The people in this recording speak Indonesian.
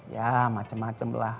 ya macem macem lah